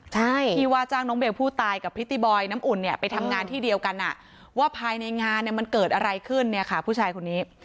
ใช่ที่ว่าจ้างน้องเบลผู้ตายกับพริตตีบอยน้ำอุ่นเนี่ยไปทำงานที่เดียวกันอ่ะว่าภายในงานเนี่ยมันเกิดอะไรขึ้นเนี่ยค่ะผู้ชายคนนี้